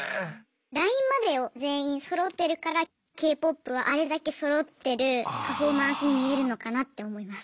ラインまでを全員そろってるからＫ−ＰＯＰはあれだけそろってるパフォーマンスに見えるのかなって思います。